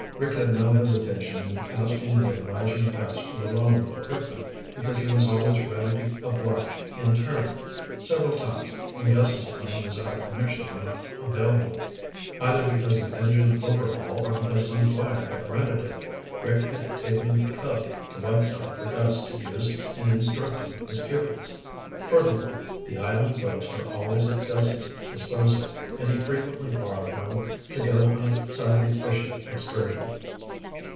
Rick had no hesitation in asking the obliging Gus for the loan of equipment because he was always ready to oblige in turn. Several times, when Gus's plane was out of commission or not available, either because of engine overhaul or because some flier had rented it, Rick had taken the Cub to Whiteside for Gus to use in instructing his pupils. Furthermore, the island boats were always at Gus's disposal and he frequently borrowed one to go on a Sunday fishing excursion.